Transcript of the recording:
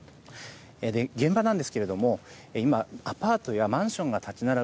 現場ですがアパートやマンションが立ち並ぶ